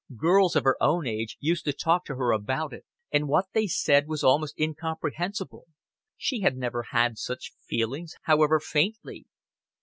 Girls of her own age used to talk to her about it, and what they said was almost incomprehensible. She had never had such feelings, however faintly.